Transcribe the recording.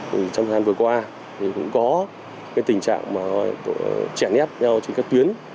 trong thời gian vừa qua thì cũng có cái tình trạng mà tội chèn ép nhau trên các tuyến